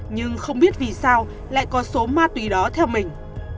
nhưng không biết vì sao lại có số ma túy đó theo mình